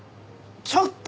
ちょっと！